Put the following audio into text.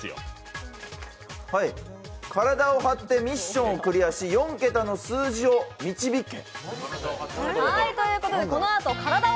「体を張ってミッションをクリアし４桁の数字を導け」。